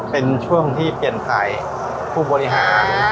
เป็นช่วงที่เปลี่ยนสายผู้บริหาร